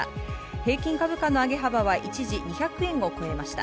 平均株価の上げ幅は一時２００円を超えました。